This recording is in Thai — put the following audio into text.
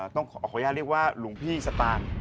ต้องขอขยะเรียกว่าหลวงพี่สตาน